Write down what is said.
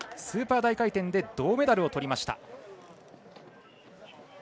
スーパー大回転で銅メダルをとりました。